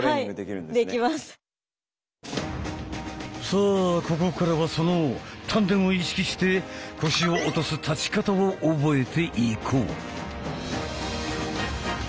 さあここからはその丹田を意識して腰を落とす立ち方を覚えていこう！